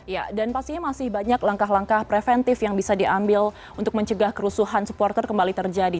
ya dan pastinya masih banyak langkah langkah preventif yang bisa diambil untuk mencegah kerusuhan supporter kembali terjadi